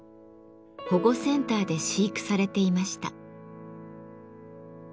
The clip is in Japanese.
保護センターで飼育されていました。